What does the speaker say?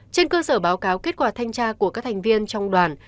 trên cơ sở báo cáo kết quả thanh tra của các thành viên trong đoàn